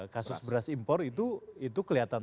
kasus beras impor itu kelihatan